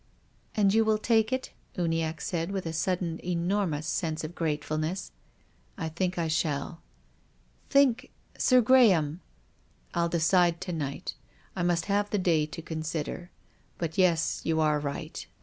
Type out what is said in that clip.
" And you will take it ?" Uniacke said, with a sudden enormous sense of gratefulness. " I think I shall." " Think — Sir Graham !"" I'll decide to night. I must have the day to consider, liut — yes, you arc right.